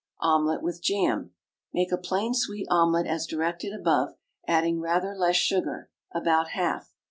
OMELET WITH JAM. Make a plain sweet omelet as directed above, adding rather less sugar about half.